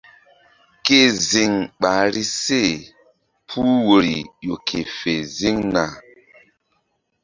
Ke ziŋ ɓahri se puh woyri ƴo ke fe ziŋna.